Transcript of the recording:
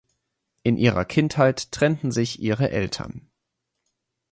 In Ihrer Kindheit trennten sich ihre Eltern.